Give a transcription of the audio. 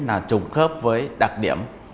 là trùng khớp với đặc điểm